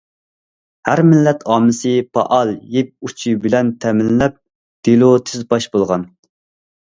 ھەر مىللەت ئاممىسى پائال يىپ ئۇچى بىلەن تەمىنلەپ، دېلو تېز پاش بولغان.